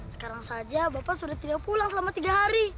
sekarang saja bapak sudah tidak pulang selama tiga hari